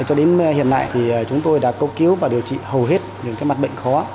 cho đến hiện nay thì chúng tôi đã cố cứu và điều trị hầu hết những mặt bệnh khó